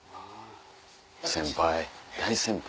先輩大先輩。